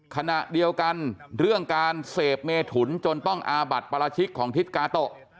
ขณะเดียวกันเรื่องการเสพเมถุนจนต้องอาบัติปราชิกของทิศกาโตะ